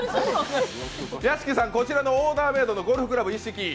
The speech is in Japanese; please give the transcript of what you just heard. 屋敷さん、こちらのオーダーメイドのゴルフクラブ一式